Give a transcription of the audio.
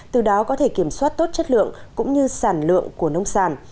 từ đó có thể kiểm soát tốt chất lượng cũng như sản lượng của nông sản